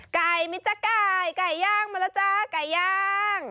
ไก่มิจรกาลไก่ย่างมาแล้วจ๊ะไก่ย่าง